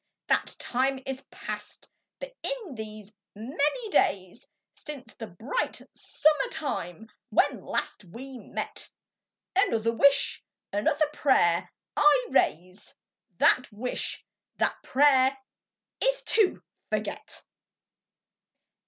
That time is past ; but in these many days Since the bright summer time when last we met, Another wish, another pray'r I raise — That wish, that pray*r \%^o forget